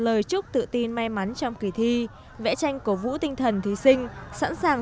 lời chúc tự tin may mắn trong kỳ thi vẽ tranh cổ vũ tinh thần thí sinh sẵn sàng